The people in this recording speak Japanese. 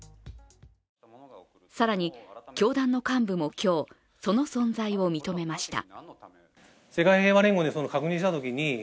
更に教団の幹部も今日その存在を認めました。